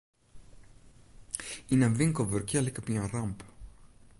Yn in winkel wurkje liket my in ramp.